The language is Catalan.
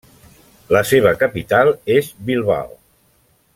La seva capital és Bilbao.